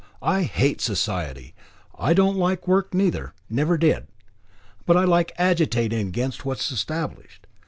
I hate Society. I don't like work neither, never did. But I like agitating against what is established.